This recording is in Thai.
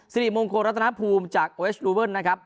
สิริมงคลรัตนภูมิจากโอเอสลูเวิลนะครับ